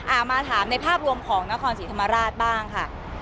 มาถามในภาพรวมของนครศรีธรรมราชบ้างค่ะ